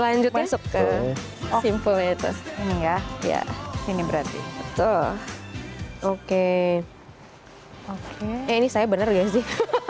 lanjut masuk ke simpul itu ini ya ya ini berarti betul oke oke ini saya bener gak sih